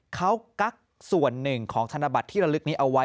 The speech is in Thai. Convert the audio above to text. เขากั๊กส่วนหนึ่งของธนบัตรที่ระลึกนี้เอาไว้